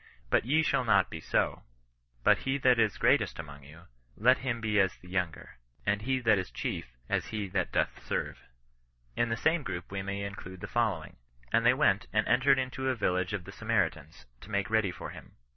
But ye shall not be so : but he that is greatest among you, let him be as the younger ; and he that is chief, as he that doth serve." In the same group we may include the following: " And they went, and entered into a village ef the S«naritans, to make ready for him.